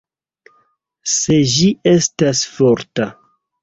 Se ĝi estas forta.